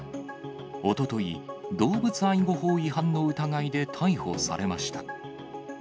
おととい、動物愛護法違反の疑いで逮捕されました。